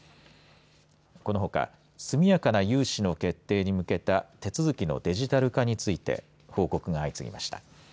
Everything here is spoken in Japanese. このほか速やかな融資の決定に向けた手続きのデジタル化について報告が相次ぎました。